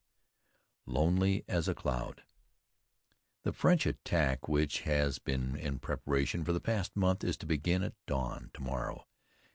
IX "LONELY AS A CLOUD" The French attack which has been in preparation for the past month is to begin at dawn to morrow.